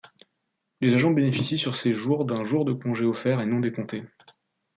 Les agents bénéficient sur ces jours d'un jour de congé offert et non décompté.